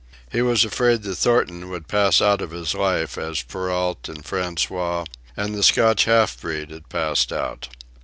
He was afraid that Thornton would pass out of his life as Perrault and François and the Scotch half breed had passed out.